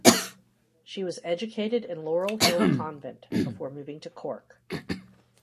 She was educated in Laurel Hill convent before moving to Cork.